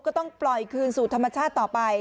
ก็ต้องปล่อยคืนสู่ธรรมชาติต่อไป